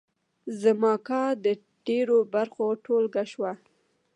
زما کار د ډېرو برخو ټولګه شوه.